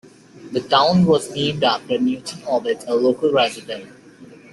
The town was named after Newton Ovid, a local resident.